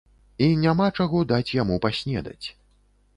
І няма чаго даць яму паснедаць.